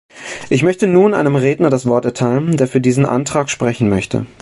Ich möchte nun einem Redner das Wort erteilen, der für diesen Antrag sprechen möchte.